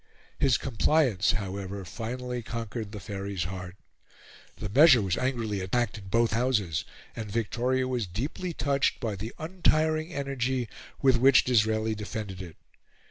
His compliance, however, finally conquered the Faery's heart. The measure was angrily attacked in both Houses, and Victoria was deeply touched by the untiring energy with which Disraeli defended it.